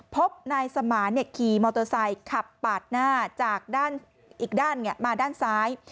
พบนายสมานขี่มอเตอร์ไซค์ขับปาดหน้าจากด้านอีกด้านมาด้านซ้าย